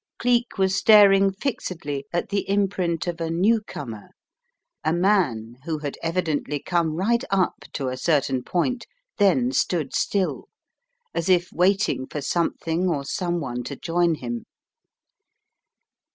Cleek was staring fixedly at the imprint of a newcomer, a man who had evidently come right up to a certain point, then stood still, as if waiting for something or someone to join him.